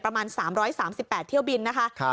ประมาณ๓๓๘เที่ยวบินนะคะ